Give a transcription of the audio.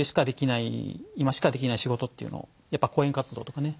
今しかできない仕事っていうのを講演活動とかね